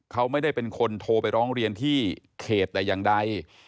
เขาไม่ได้เป็นคนโทรไปร้องเรียนที่เขตแต่อย่างใด